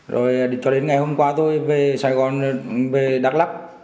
rồi cho đến ngày hôm qua tôi về sài gòn về đắk lắc